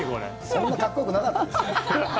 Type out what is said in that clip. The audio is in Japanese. そんなかっこよくなかったですよ。